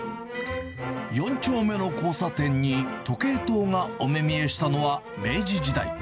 ４丁目の交差点に時計塔がお目見えしたのは明治時代。